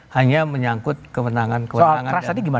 hanya menyangkut kewenangan kewenangan